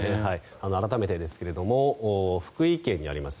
改めてですが福井県にあります